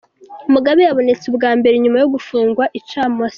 Mugabe yabonetse ubwa mbere inyuma yo gufungwa icamaso.